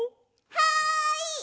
はい！